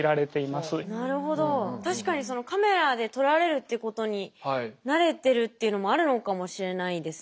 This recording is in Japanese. なるほど確かにカメラで撮られるっていうことに慣れてるっていうのもあるのかもしれないですね。